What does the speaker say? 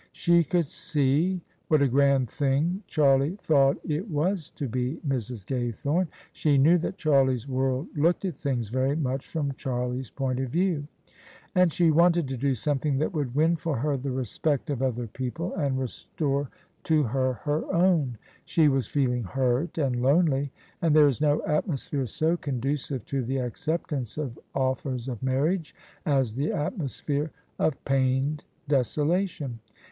She could see what a grand thing Charlie thought it was to be Mrs. Gaythorne — she knew that Charlie's world looked at things very much from Charlie's point of view — ^and she wanted to do something that would win for her the respect of other people and restore to her her own. She was feeling hurt and lonely: and there is no atmosphere so conducive to the acceptance of offers of marriage as the atmosphere of pained desolation.